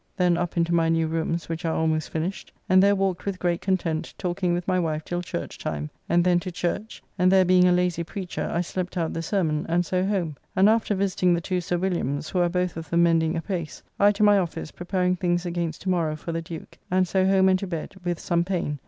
Then up into my new rooms which are, almost finished, and there walked with great content talking with my wife till church time, and then to church, and there being a lazy preacher I slept out the sermon, and so home, and after visiting the two Sir Williams, who are both of them mending apace, I to my office preparing things against to morrow for the Duke, and so home and to bed, with some pain